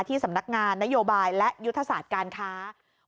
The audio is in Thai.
สำนักงานนโยบายและยุทธศาสตร์การค้า